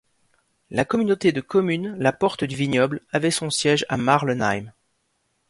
La communauté de communes la Porte du Vignoble avait son siège à Marlenheim.